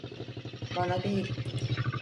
Bana değil.